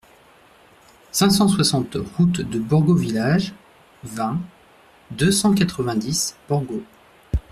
cinq cent soixante route de Borgo Village, vingt, deux cent quatre-vingt-dix, Borgo